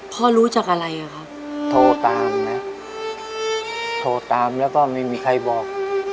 รู้จักอะไรอ่ะครับโทรตามนะโทรตามแล้วก็ไม่มีใครบอก